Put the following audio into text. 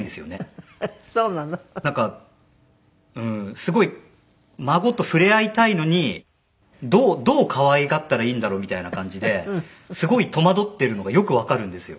すごい孫と触れ合いたいのにどう可愛がったらいいんだろうみたいな感じですごい戸惑ってるのがよくわかるんですよ。